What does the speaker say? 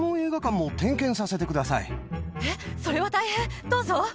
それは大変どうぞ。